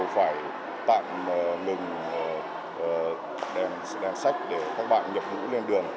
phải tạm ngừng đèn sách để các bạn nhập ngũ lên đường